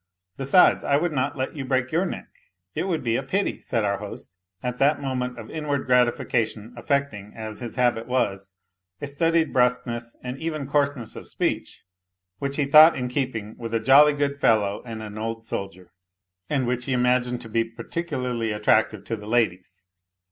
Besides, I would not let you break yoiir neck, it would be a pity !" said our host, at that moment of inward gratification affecting, as his habit was, a studied brusqueness and even coarseness of speech which he thought in keeping with a jolly good fellow and an old soldier, 244 A LITTLE HERO and which he imagined to be particularly attractive to the ladies.